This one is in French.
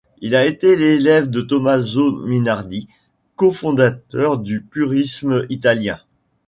Il a été l'élève de Tommaso Minardi, cofondateur du purisme italien.